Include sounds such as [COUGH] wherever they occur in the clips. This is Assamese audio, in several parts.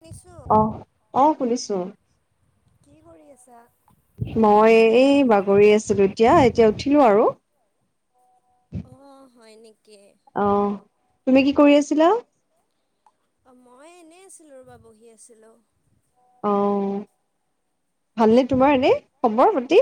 শুনিছো অ-অ শুনিছো৷ কি কৰি আছা? মই এই বাগৰি আছিলোঁ এতিয়া এতিয়া উঠিলোঁ আৰু৷ অ হয় নেকি? অ তুমি কি কৰি আছিলা? অ মই এনেই আছিলো ৰবা বহি আছিলোঁ অ ভালনে তোমাৰ এনে খবৰ প্ৰতি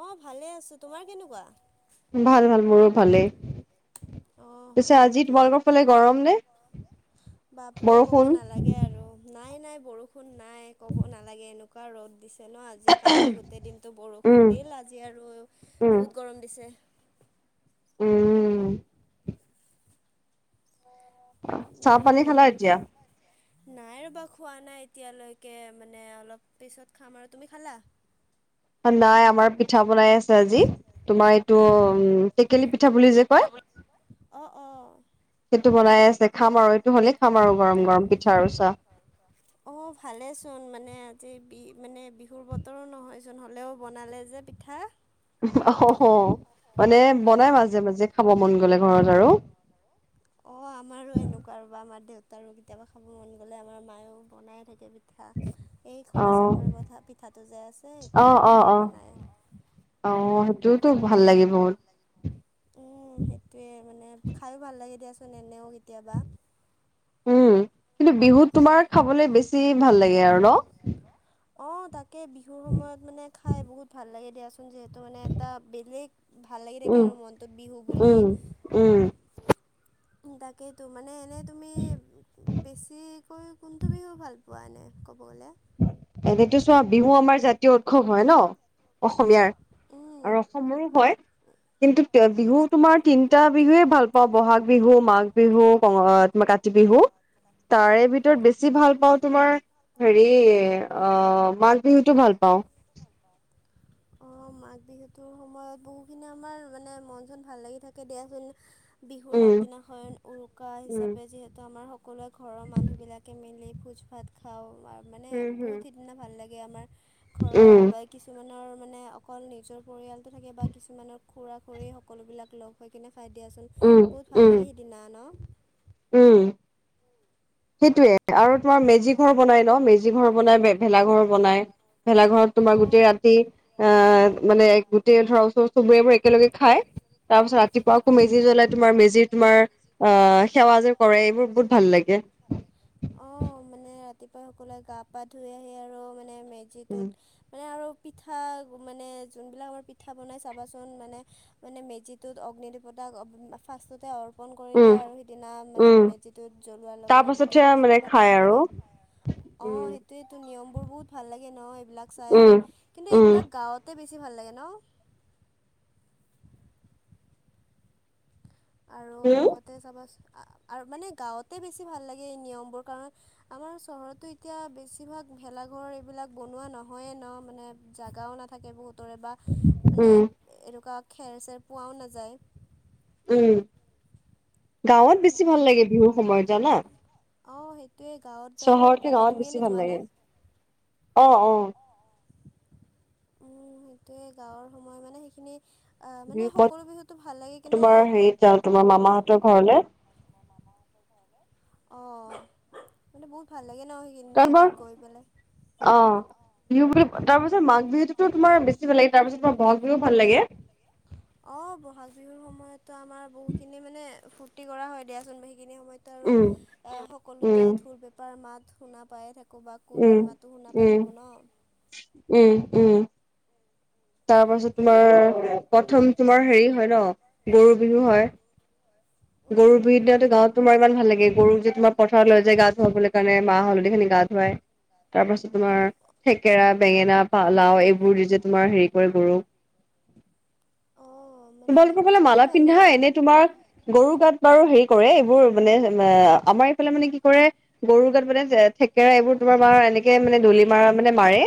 অ ভালে আছোঁ তোমাৰ কেনেকুৱা ভাল ভাল মোৰো ভালেই অ হয় পিছে আজি নেকি? তোমালোকৰ ফালে গৰম নে? বাপৰে ক'ব বৰষুণ নালাগে আৰু নাই-নাই বৰষুণ নাই কব নালাগে এনেকুৱা এনকা ৰ'দ দিছে ন আজি কালি গোটেই দিনটো বৰষুণ উম দিল আজি আৰু উম বহুত গৰম দিছে৷ উম৷ অ চাহ পানী খালা উম এতিয়া? নাই ৰ'বা খোৱা নাই এতিয়ালৈকে মানে অলপ পিছত খাম আৰু তুমি খালা? আনাই আমাৰ পিঠা বনাই আছে আজি তোমাৰ এইটো উম টেকেলি পিঠা বুলি যে কয় অ অ সেইটো বনাই আছে খাম আৰু এইটো হ'লেই খাম আৰু গৰম গৰম পিঠা আৰু চাহ [INAUDIBLE] অ ভালেচোন মানে আজি বি মানে বিহুৰ বতৰো নহয়চোন হ'লেও বনালে যে পিঠা অ মানে বনাই মাজে মাজে খাব মন গলে ঘৰত আৰু অ আমাৰো এনেকুৱা আৰু বা আমাৰ দেউতাৰো কেতিয়াবা খাব মন গ'লে আমাৰ মায়ও বনাই থাকে পি ঠা এই অ খোলা চাপৰি পথা পিঠাটো যে আছে অ সেইটো অ অ বহুত বনায় অ সেইটোতো ভাল লাগে বহুত উম সেইটোৱে মানে খাইয়ো ভাল লাগে দিয়াচোন এনেও কেতিয়াবা। উম কিন্তু বিহুত তোমাৰ খাবলৈ বেছি ভাল লাগে আৰু ন? অ তাকে বিহুৰ সময়ত মানে খাই বহুত ভাল লাগে দিয়াচোন যিহেতু মানে এটা বেলেগ ভাল লাগি থাকে উম আৰু মনটোত বিহু বুলি উম উম তাকেইতো মানে এনেই তুমি বেছিকৈ কোনটো বিহু ভাল পোৱা এনে ক'ব গ'লে? এনেতো চোৱা বিহু আমাৰ জাতীয় উৎসৱ হয় ন। অসমীয়াৰ, উম। আৰু অসমৰো হয় কিন্তু বিহু উম, তোমাৰ তিন টা বিহুৱে ভাল পাওঁ বহাগ বিহু, মাঘ বিহু, কঙ অ কাতি বিহু। তাৰে ভিতৰত বেছি ভাল পাওঁ তোমাৰ সেইয়ে অ মাঘ বিহুটো ভাল পাওঁ। অ মাঘ বিহুটোৰ সময়ত বহুখিনি আমাৰ মানে মন চন ভাল লাগি থাকে দিয়াচোন বিহুৰ উম আগদিনাখন উৰুকা উম, হিচাপে যিহে আমাৰ সকলে ঘৰৰ মানুহ বিলাকে মিলি ভোজ ভাত খাওঁ মানে উম, হম, বহুত সিমানে ভাল লাগে আমাৰ ঘৰৰ উম, বা কিছুমানৰ মানে অকল নিজৰ পৰিয়ালটো থাকে বা কিছুমানৰ খুৰা খুৰী সকলোবিলাক লগ হৈ কিনে খাই দিয়াচোন উম, বহুত ভাল উম, লাগে সেইদিনা ন উম। সেইটোৱে আৰু তোমাৰ মেজি ঘৰ বনাই ন মেজি ঘৰ বনাই ভেলাঘৰ বনায়। ভেলাঘৰত অ তোমাৰ গোটেই ৰাতি আ মানে গোটেই ধৰা ওচৰ চুবুৰীয়াবোৰ একেলগে খাই তাৰপিছত ৰাতিপুৱা আকৌ মেজি জ্বলাই তোমাৰ মেজি তোমাৰ অ সেৱা যে কৰে এইবোৰ বহুত ভাল লাগে। অ, মানে ৰাতিপুৱাই সকলোৱে গা পা ধুই আহি আৰু মানে উম, মেজিটোত মানে আৰু পিঠা মানে যোনবিলাক আমাৰ পিঠা বনাই চাবাচোন মানে মানে মেজিটোত অগ্নি দেৱতা ফাৰ্ষ্টতে অৰ পণ কৰি উম, দিয়ে আৰু সিদিনা মানে উম। মেজিটোত জ্বলোৱাৰ লগে তাৰ লগে দি দিয়ে পাছতহে মানে সেইবিলাকো খাই ভাল আৰু লাগে। অ, উম, সেইটোয়েটো নিয়ম বোৰ বহুত ভাল লাগে ন এইবিলাক চাই উম, আৰু কিন্তু উম, এইবিলাক গাঁৱত তাতে বেছি ভাল লাগে ন। আৰু উম, লগতে চাবা আৰু মানে গাঁৱতে বেছি ভাল লাগে এই নিয়মবোৰ কাৰণ আমাৰ চহৰতো এতিয়া বেছিভাগ ভেলাঘৰ এইবিলাক বনোৱা নহয়ে ন মানে। গাও নাথাকে বহুতৰে বা মানে উম, এনেকুৱা খেৰ চেৰ পোৱাও নাযায়। উম, গাঁৱত বেছি ভাল লাগে বিহুৰ সময়ত জানা। অ' সেইটোয়ে গাঁৱত যাই বহুত চহৰতকে ভাল লাগে, গাঁৱত তুমি বেছি এনে ভাল যোৱা লাগে। নে? অ' অ' উম সেইটোৱে গাঁৱৰ সময় মানে সেইখিনি আ মানে বিহু সময়ত সকলো বিহুতো ভাল লাগে কিন্তু তোমাৰ অ, হেৰিত যাওঁ তোমাৰ মামাহঁতৰ ঘৰলে মানে বহুত ভাল লাগে ন সেই খিনি তাৰপৰা টাইমত গৈ পেলাই। অ, বিহু বুলি তাৰপিছত মাঘ বিহুততো তোমাৰ বেছি ভাল লাগে তাৰপিছত তোমাৰ বহাগ বিহুও ভাল লাগে। অ' ব'হাগ বিহুৰ সময়তো আমাৰ বহুত খিনি মানে ফুৰ্তি কৰা হয় দিয়াচোন বিশেষকৈ সেইখিনি সময়ত আৰু উম অ' সকলোতে উম ঢোল পেপাৰ মাত শুনা পাইে থাকো। বা উম কুলিৰ মাতো শুনা পাই উম থাকোঁ ন। উম, উম। তাৰ পাছত তোমাৰ প্ৰথম তোমাৰ হেৰি হয় ন গৰু বিহু হয়। [INAUDIBLE] গৰুৰ উম, বিহুৰ দিনাতো গাঁৱত তোমাৰ ইমান ভাল লাগে গৰু যে তোমাৰ পথাৰত লৈ যায় গা ধুৱাবলৈ কাৰণে মাহ হলধিখিনি গা ধুৱাই। তাৰ পাছত তোমাৰ থেকেৰা বেঙেনা পা লাও এইবোৰ দি যে তোমাৰ হেৰি [UNINTELLIGIBLE] অঁ মানে তোমালোকৰ ফালে মালা বহুত ভাল পিন্ধা লাগে। এনে তোমাক গৰু গাত বাৰু হেৰি কৰে এইবোৰ মানে আমাৰ এইফালে মানে কি কৰে। গৰু গাত মানে থেক থেকেৰা এইবোৰ তোমাৰ মাৰ এনেকে মানে দলি মৰা মানে মাৰে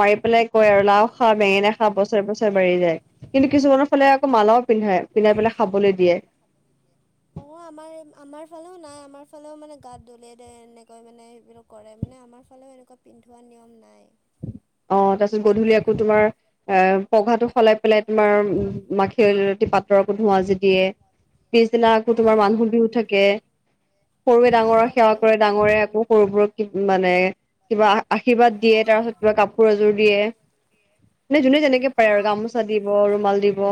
মাৰি পেলাই কয় আৰু লাও খা বেঙেনা। খা বছৰে বছৰে বাঢ়ি যায় কিন্তু কিছুমানৰ ফালে আকৌ মালাও পিন্ধাই পিন্ধাই পেলাই খাবলৈ দিয়ে। অ' আমাৰ আমাৰ ফালেও নাই। আমাৰ ফালেও মানে গাত দলিয়াই দিয়ে এনেকৈ মানে সেইবিলাক কৰে মানে আমাৰ ফালেও এনেকুৱা পিন্ধোৱা নিয়ম নাই। অ' তাৰ পিছত গধূলি আকৌ তোমাৰ এ পঘাটো সলাই পেলাই তোমাৰ মাখি- খেলতি পাতৰ আকৌ ধোঁৱাজি দিয়ে পিছদিনা আকৌ তোমাৰ অঁ মানুহ বিহু থাকে। সৰুৱে উম ডাঙৰক সেৱা তাকে কৰে ডাঙৰে আকৌ সৰুবোৰক কি মানে- কিবা আশীৰ্বাদ দিয়ে তাৰপাছত- কিবা কাপোৰ এযোৰ দিয়ে। মানে যোনে তেনেকে পাৰে অঁ আৰু গামোচা দিব ৰুমাল দিব-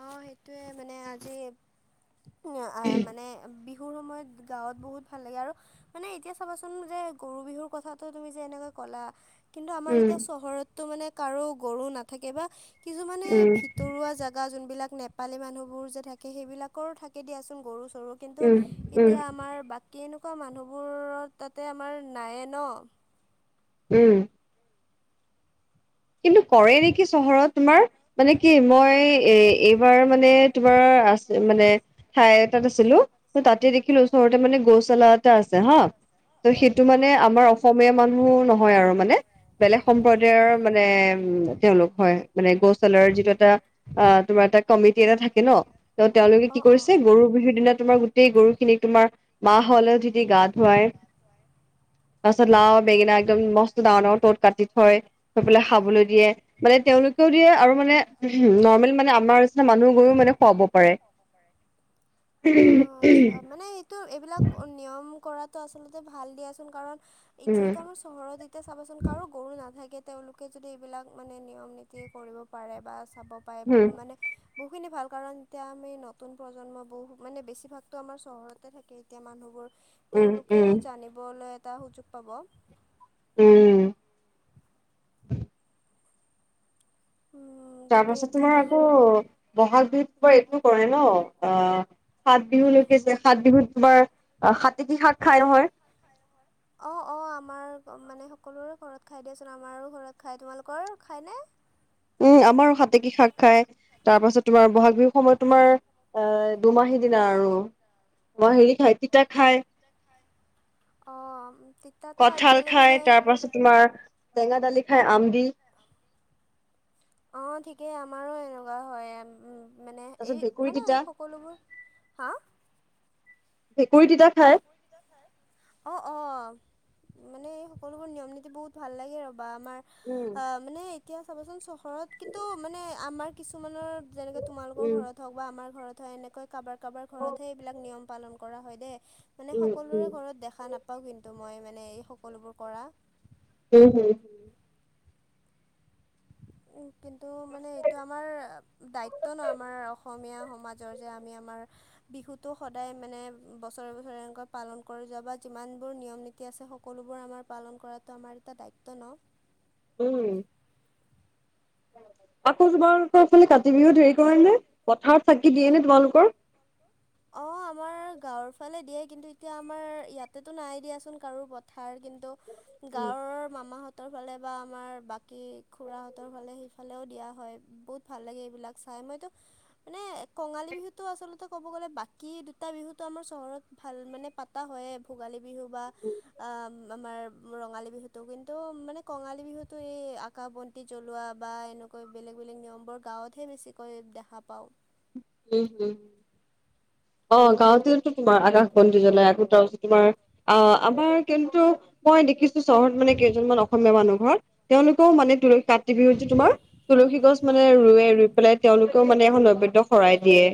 অ, সেইটোৱে মানে আজি মানে বিহুৰ সময়ত। গাঁৱত বহুত ভাল লাগে আৰু মানে এতিয়া চাবাচোন যে গৰু বিহুৰ কথাাতটো তুমি যে এনেকে ক'লা। কিন্তু আমাৰ উম এতিয়া চহৰতটো মানে কাৰো গৰু নাথাকে বা কিছুমানে উম ভিতৰুৱা যা জাগা যোনবিলাক নেপালী মানুহবোৰ যে থাকে সেইবিলাকৰো থাকে দিয়াচোন গৰু চৰু। কিন্তু উম উম এতিয়া আমাৰ বাকী এনেকুৱা মানুহবোৰৰ তাতে আমাৰ নায়ে ন। উম। কিন্তু পৰে নেকি চহৰত তোমাৰ? মানে কি মই এ এইবাৰ মানে তোমাৰ আছে মানে। ঠাই এতাত আছিলো ত তাতে দেখিলো ওচৰতে মানে গৌচালা এটা আছে হা। ত' সেইটো মানে আমাৰ অসমীয়া মানুহো নহয় আৰু মানে বেলেগ সম্প্ৰদায়ৰ। মানে উম তেওঁলোক হয় মানে গৌছালৰ যিটো এটা- অ' তোমাৰ এটা কমিটি এটা থাকে ন' ত তেওঁলোকে কি কৰিছে গৰু বিহুৰ দিনা তোমাৰ- গোটেই গৰু খিনিক তোমাৰ মাহ হলেও যদি গা ধুৱায়- তাৰপাছত লাও আৰু বেঙেনা একদম মস্ত দানৰ- কাটি থয়- গৈ পেলাই খাবলৈ দিয়ে মানে তেওঁলোকেও দিয়ে আৰু মানে নৰ্মেল মানে আমাৰ- মানুহ গৈও মানে খুৱাব পাৰে। অ' আচ্ছা মানে এইটো এইবিলাক নিয়ম কৰাটো আচলতে ভাল দিয়াচোন কাৰণ- এই উম যিহেতুমাৰ- চহৰত এতিয়া চাবাচোন কাৰো গৰু নাথাকে। তেওঁলোকে যদি এইবিলাক মানে নিয়ম নীতিয়ে কৰিব পাৰে বা চাব- পায় উম মানে বহুখিনি ভাল কাৰণ এতিয়া আমি নতুন প্ৰজন্ম বহু মানে বেছিভাগতো আমাৰ চহৰতে থাকে এতিয়া মানুহবোৰ উম উম তেওঁলোকেও জানিবলে এটা সুযোগ পাব। উম, উম, তাকে তাৰপাছত এতিয়া তোমাৰ আকৌ বহাগ বিহু এইটো কৰে ন অ'- সাত বিহুলৈকে যে সাত বিহুত তোমাৰ সাকী শাক খাই নহয়- অ' অ' আমাৰ মানে সকলোৰে ঘৰত খাই দিয়াচোন। আমাৰো ঘৰত খায় তোমালোকৰ খায়নে? উম আমাৰো হাতেকী শাক খাই তাৰ পাছত তোমাৰ বহাগ বিহুৰ সময়ত তোমাৰ এ দুমাহী- সিদিনা আৰু মই হেৰি খাই তিতা খায় অঁ তিতাতো কঠাল আজিকালি খাই মানে তাৰ পাছত তোমাৰ টেঙা দালি খাই আমদি অ, ঠিকেই আমাৰো এনেকুৱা হয় এম উম। মানে তাৰপিছত এই ভেকুৰী মানে তিতা সকলোবোৰ হাঁ ভেকুৰী তিতা খায়? অ', অ', মানে এই সকলোবোৰ নিয়ম- নীতি বহুত ভাল লাগে ৰ'বা আমাৰ উম অ, মানে এতিয়া চাবাচোন চহৰত কিন্তু মানে আমাৰ কিছুমানৰ যেনেকে তোমালোকৰ উম ঘৰত হওক বা আমাৰ ঘৰত হয় এনেকৈ কাবাৰ -কাবাৰ ঘৰতহে এইবিলাক নিয়ম পালন কৰা হয় দে। মানে উম সকলোৰে উম ঘৰত দেখা নাপাওঁ কিন্তু মই মানে এই সকলোবোৰ কৰা। উম, হম। উম, কিন্তু মানে এইটো আমাৰ দায়িত্ব ন' আমাৰ অসমীয়া সমা জৰ যে আমি আমাৰ বিহুটো সদায় মানে বছৰে বছৰৰে এনেকৈ পালন কৰি যাবা যিমান বোৰ নিয়ম -নীতি আছে সক সকলোবোৰ আমাৰ পালন কৰাটো আমাৰ এটা দায়িত্ব ন? উম। আকৌ তোমালোকৰ ফালে কাতি বিহুত হেৰি কৰে নে পথাৰত চাকি দিয়ে নে তোমালোকৰ? অ, আমাৰ গাঁৱৰ ফালে দিয়ে কিন্তু এতিয়া আমাৰ ইয়াতেটো নাই দিয়াচোন কাৰো পথাৰ কিন্তু উম গাঁৱৰ মামাহত হতৰ ফালে বা আমাৰ বাকী খুৰাহঁতৰ ফালে সেইফালেওঁ দিয়া হয় বহুত ভাল লাগে এইবিলাক চাই মইতো মানে কঙালী বিহুটো আচলতে ক'ব গ'লে বাকী দুটা বিহুটো আমাৰ চহৰত ভাল মানে পাত পাতা হয়ে ভোগালী বিহু বা আমাৰ ৰঙালী বিহুতো কিন্তু মানে কঙালী বিহুতো এই আকাশ বন্তি জ্বলোৱা বা এনেকু- কৈ বেলেগ -বেলেগ নিয়মবোৰ গাঁৱতহে বেছিকৈ দেখা পাওঁ। উম, হম। অ, গাঁৱতেতো তোমাৰ আকাশ বন্দী জ্বলাই আকৌ তাৰছত তোমাৰ আহ, আমাৰ কিন্তু মই দেখিছোঁ চহৰত মানে কেইজনমান অসমীয়া মানুহ ঘৰত তেওঁলোকেও মানে দুয়োকাত কাতি বিহুত যে তোমাৰ তুলসী গছ মানে অঁ ৰুৱে ৰুই পেলাই তেওঁলোকেও মানে এখন নৈবেদ্য শৰাই দিয়ে।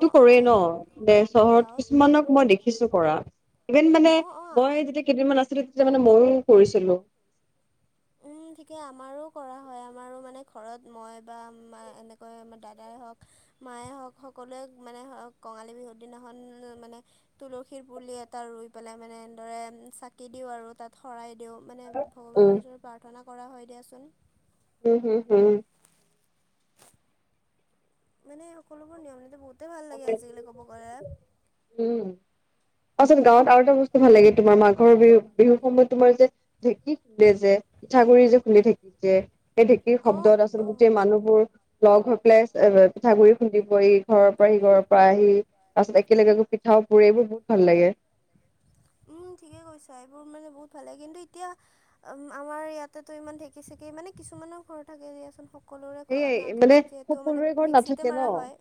অঁ কৰেই অঁ ন, দে চহৰত গাঁৱত কিছুমানক কৰে মই দেখিছো কৰা। ইভেন মানে অঁ অঁ মই যেতিয়া কেইদিনমান আছিলোঁ তেতিয়া মানে ময়ো কৰিছিলোঁ। উম, ঠিকে আমাৰো কৰা হয় আমাৰো মানে ঘৰত মই বা এনেকৈ দাদাই হওক মায়ে হওক সকলোৱে মানে কঙালী বিহুৰ দিনাখন মানে তুলসীৰ পুলি এটা ৰুই পেলাই মানে এনেদৰে চাকি দিওঁ আৰু তাত শৰাই দিওঁ। মানে উম ভগৱানৰ ওচৰত প্ৰাৰ্থনা কৰা হয় দিয়াচোন। উম, হম- হম মানে সকলোবোৰ নিয়ম- নীতি বহুতেই ভাল লাগে হম আজিকালি ক'ব গলে। উম, তাৰছত গাঁৱত আৰু এটা বস্তু ভাল লাগে তোমাৰ মাঘৰ বিহু -বিহু সময়ত তোমাৰ যে ঢেঁকী খুন্দে যে পিঠাগুৰি যে খুলি ঢেঁকীত যে সেই ঢেঁকী অঁ শব্দত আচলতে অঁ গোটেই মানুহবোৰ লগ হৈ পেলাই [UNINTELLIGIBLE] পিঠাগুৰি খুন্দিব ই ঘৰ [UNINTELLIGIBLE] এইবাৰৰ পা আহি তাৰ পাছত একেলগে গৈছ পিঠাও পুৰে এইবোৰ বহুত ভাল লাগে। উম, ঠিকে কৈছা এইবোৰ মানে বহুত ভাল লাগে কিন্তু এতিয়া ম আমাৰ ইয়াতেতো ইমান ঢেঁকী চেঁকী মানে কিছুমানৰ ঘৰত থাকে দিয়াচোন স কলোৰে ঘৰত সেয়াই মানে নাথাকে যিহেতু মানে সকলোৰে ঘৰত নাথাকে মিক্সিতে ন মৰা হয়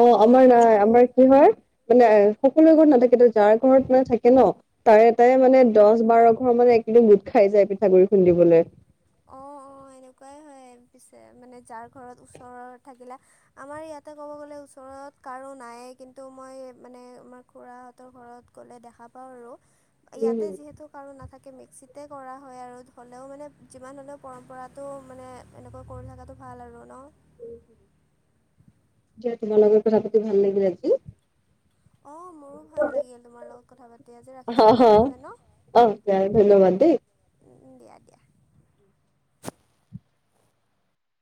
অ আমাৰ নাই আমাৰ কি হয় মানে সকলো ঘৰত নাথাকেটো যাৰ ঘৰত মানে থাকে ন তাৰে -তাৰে মানে অ', দছ তোমাৰৰ ঘৰ মানে একদম গোট খাই যায় পিঠাগুৰি খুন্দিবলে। অ', অ', এনেকুৱাই হয় পিছে মানে যাৰ ঘৰত ওচৰৰ থাকিলে। আমাৰ ইয়াতে ক'ব গ'লে ওচৰত কাৰো নাইয়ে কিন্তু মই মানে আমাৰ খুৰা ত ঘৰত গ'লে দেখা পাও আৰু ইয়াতে উম যিহেতু কাৰো নাথাকে মিক্সিতে কৰা হয় আৰু হ'লেও মানে যিমান হলেও পৰম্পৰাটো মানে এনেকৈ কৰি থকাটো ভাল আৰু ন উম দিয়া তোমাৰ লগৰ কথা পাতি ভাল লাগিল আজি অ মোৰো ভাল লাগিল তোমাৰ লগত কথা পাতি আজি অ ৰাখিছো দিয়া অ নহলে ন অ দিয়া ধন্যবাদ দেই উম উম দিয়া দিয়া